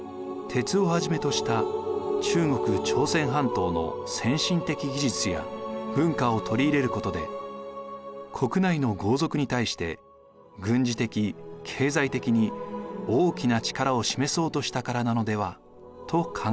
鉄をはじめとした中国朝鮮半島の先進的技術や文化を取り入れることで国内の豪族に対して軍事的経済的に大きな力を示そうとしたからなのではと考えられています。